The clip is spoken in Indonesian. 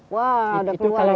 wah sudah keluar